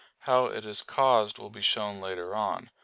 How it is caused will be shown later on (Q.